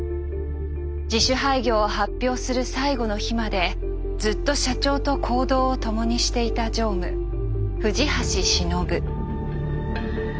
自主廃業を発表する最後の日までずっと社長と行動を共にしていた常務藤橋忍。